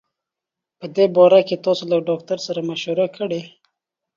په دي باره کي تاسو له ډاکټر سره مشوره کړي